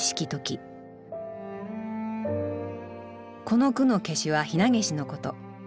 この句の「罌粟」はひなげしのこと。